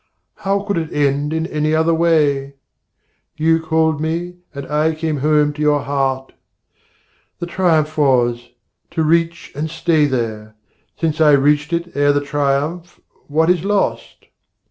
How could it end in any other way? You called me, and I came home to your heart. The triumph was to reach and stay there; since I reached it ere the triumph, what is lost?